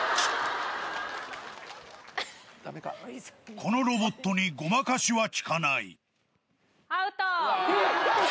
このロボットにごまかしは効アウト。